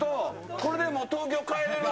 これでもう、東京帰れるわ。